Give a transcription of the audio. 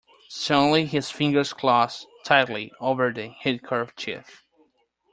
Suddenly his fingers closed tightly over the handkerchief.